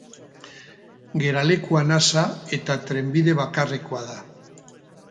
Geralekua nasa eta trenbide bakarrekoa da.